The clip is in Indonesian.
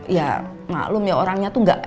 ya maklum ya orangnya tuh gak eksternal